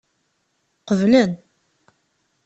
Qeblen.